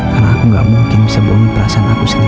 tapi aku gak mungkin bisa bohongin perasaan aku sendiri